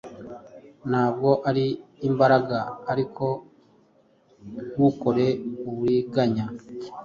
Ntabwo ari imbaraga, ariko ntukore uburiganya,